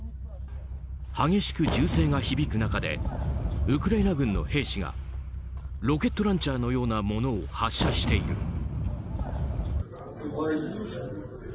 激しく銃声が響く中でウクライナ軍の兵士がロケットランチャーのようなものを発射している。